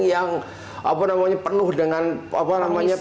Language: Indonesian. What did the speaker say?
yang penuh dengan penderitaan kemiskin